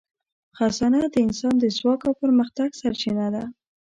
خزانه د انسان د ځواک او پرمختګ سرچینه ده.